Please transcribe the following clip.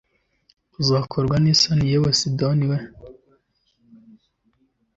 uzakorwa n’isoni yewe sidoni we